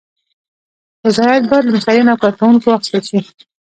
رضایت باید له مشتریانو او کارکوونکو واخیستل شي.